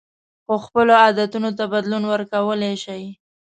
خو خپلو عادتونو ته بدلون ورکولی شئ.